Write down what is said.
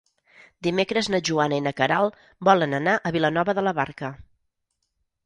Dimecres na Joana i na Queralt volen anar a Vilanova de la Barca.